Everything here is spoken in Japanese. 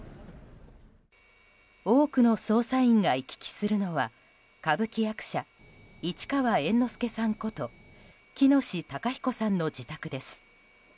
多くの捜査員が行き来するのは歌舞伎役者・市川猿之助さんこと喜熨斗孝彦さんの自宅です。